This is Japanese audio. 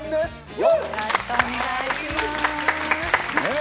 よろしくお願いしますねえ